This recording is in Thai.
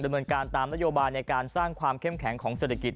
เนินการตามนโยบายในการสร้างความเข้มแข็งของเศรษฐกิจ